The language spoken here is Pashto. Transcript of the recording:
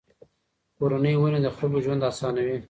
کورني ونې د خلکو ژوند آسانوي.